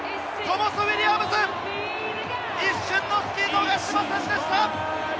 トモス・ウィリアムズ、一瞬の隙を逃しませんでした。